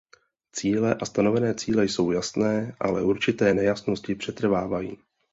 Cíle a stanovené cíle jsou jasné, ale určité nejasnosti přetrvávají.